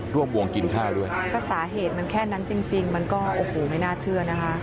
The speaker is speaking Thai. ร่วมวงกินข้าวด้วยถ้าสาเหตุมันแค่นั้นจริงจริงมันก็โอ้โหไม่น่าเชื่อนะคะ